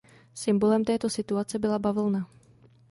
Symbolem této situace byla bavlna.